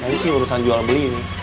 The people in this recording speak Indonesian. nah ini sih urusan jual beli ini